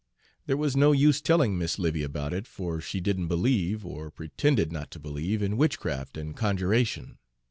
There was no use telling Mis' 'Livy about it, for she didn't believe, or pretended not to believe, in witchcraft and conjuration.